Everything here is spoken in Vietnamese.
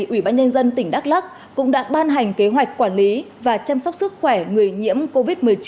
ủy ban nhân dân tỉnh đắk lắc cũng đã ban hành kế hoạch quản lý và chăm sóc sức khỏe người nhiễm covid một mươi chín